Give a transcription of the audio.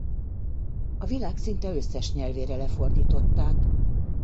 A világ szinte összes nyelvére lefordították.